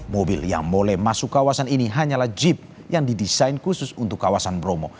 mobil yang mulai masuk kawasan ini hanyalah jeep yang didesain khusus untuk kawasan bromo